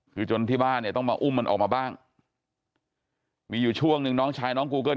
คือจนที่บ้านเนี่ยต้องมาอุ้มมันออกมาบ้างมีอยู่ช่วงหนึ่งน้องชายน้องกูเกิ้